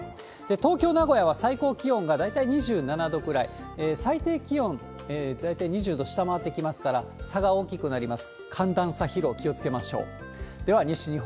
東京、名古屋は最高気温が大体２７度ぐらい、最低気温、大体２０度下回ってきますから、差が大きくなります。